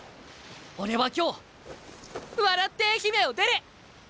俺は今日笑って愛媛を出る！